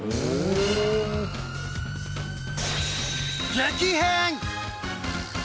激変！